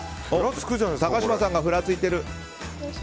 高嶋さんがふらついてる。